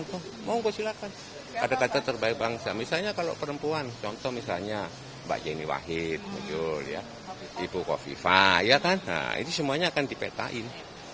contoh mohon kak silakan ada kata terbaik bangsa misalnya kalau perempuan contoh misalnya mbak jenny wahid mbak julia ibu kofifa ya kan nah ini semuanya akan dipetain